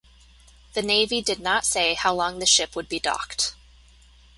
The Navy did not say how long the ship would be docked.